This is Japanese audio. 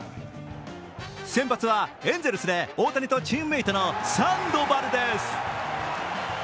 先発は、エンゼルスで大谷とチームメートのサンドバルです。